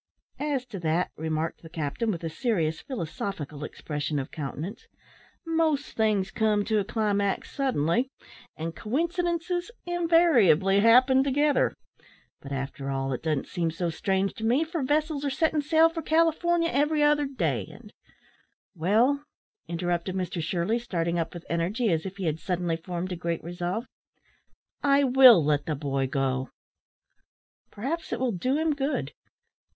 "As to that," remarked the captain, with a serious, philosophical expression of countenance, "most things come to a climax suddenly, and coincidences invariably happen together; but, after all, it doesn't seem so strange to me, for vessels are setting sail for California every other day, and " "Well," interrupted Mr Shirley, starting up with energy, as if he had suddenly formed a great resolve, "I will let the boy go. Perhaps it will do him good.